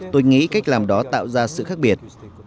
tôi nghĩ cách làm đó tạo ra sự khác biệt